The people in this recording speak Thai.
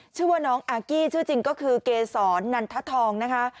ชื่อว่าน้องอากี้ชื่อจริงก็คือเกษรนันททองนะคะ